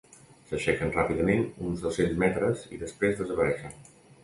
S'aixequen ràpidament uns dos-cents metres i després desapareixen.